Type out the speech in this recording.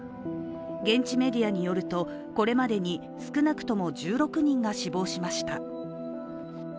現地メディアによると、これまでに少なくとも１６人が死亡しました。